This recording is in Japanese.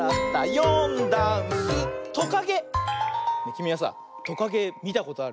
きみはさトカゲみたことある？